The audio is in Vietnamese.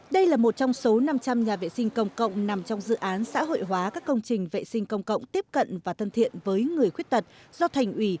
đây là một trong số năm trăm linh nhà vệ sinh công cộng nằm trong dự án xã hội hóa các công trình vệ sinh công cộng tiếp cận và thân thiện với người khuyết tật do thành ủy